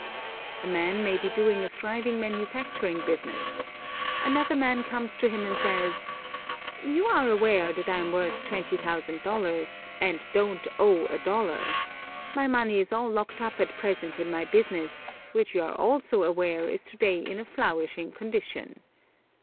A man may be doing a thriving manufacturing business another man comes to him and says: "You are aware that I am worth $20,000, and don't owe a dollar; my money is all locked up at present in my business, which you are also aware is to day in a flourishing condition.